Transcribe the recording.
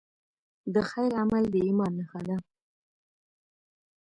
د خیر عمل د ایمان نښه ده.